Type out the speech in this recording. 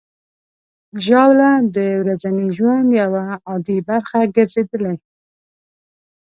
ژاوله د ورځني ژوند یوه عادي برخه ګرځېدلې.